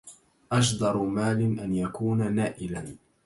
أجدر مال أن يكون نائلا